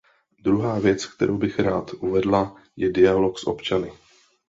Druhá věc, kterou bych ráda uvedla, je dialog s občany.